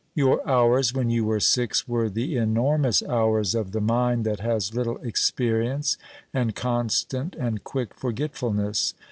Your hours when you were six were the enormous hours of the mind that has little experience and constant and quick forgetfulness.